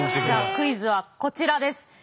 じゃクイズはこちらです。